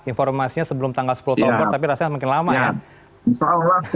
informasinya sebelum tanggal sepuluh oktober tapi rasanya semakin lama ya